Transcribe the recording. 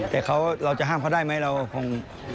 แต่เราจะห้ามเขาได้ไหมเราคง